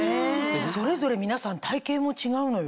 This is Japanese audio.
それぞれ皆さん体形も違うのよ？